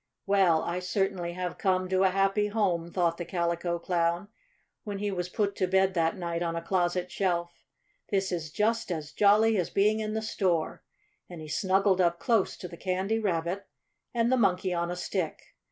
"Well, I certainly have come to a happy home," thought the Calico Clown, when he was put to bed that night on a closet shelf. "This is just as jolly as being in the store!" And he snuggled up close to the Candy Rabbit and the Monkey on a Stick.